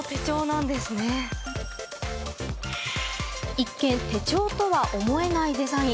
一見手帳とは思えないデザイン。